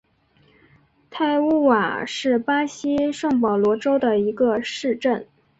泰乌瓦是巴西圣保罗州的一个市镇。